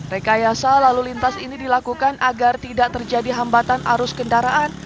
rekayasa lalu lintas ini dilakukan agar tidak terjadi hambatan arus kendaraan